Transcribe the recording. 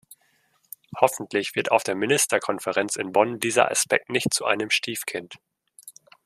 Hoffentlich wird auf der Ministerkonferenz in Bonn dieser Aspekt nicht zu einem Stiefkind.